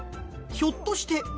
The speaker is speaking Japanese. ひょっとして。